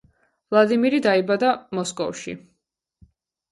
ვლადიმირი დაიბადა მოსკოვში.